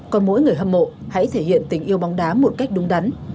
còn mỗi người hâm mộ hãy thể hiện tình yêu bóng đá một cách đúng đắn